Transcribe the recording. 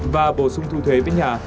và bổ sung thu thuế với nhà